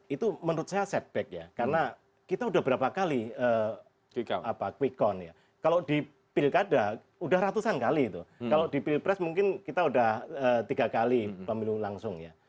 itu menurut saya setback ya karena kita sudah berapa kali quick count ya kalau di pil kada sudah ratusan kali itu kalau di pil pres mungkin kita sudah tiga kali pemilu langsung ya